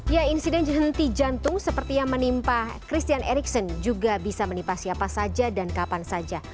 ya insiden dihenti jantung seperti yang menimpa christian ericson juga bisa menimpa siapa saja dan kapan saja